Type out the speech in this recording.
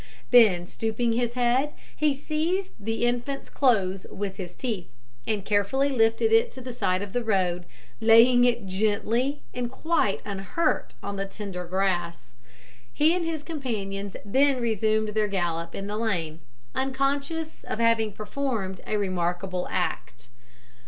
Then stooping his head, he seized the infant's clothes with his teeth, and carefully lifted it to the side of the road, laying it gently and quite unhurt on the tender grass. He and his companions then resumed their gallop in the lane, unconscious of having performed a remarkable act.